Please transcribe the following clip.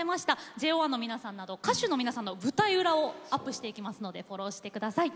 ＪＯ１の皆さんはじめ歌手の皆さんの舞台裏などをアップしておりますのでフォローしてください。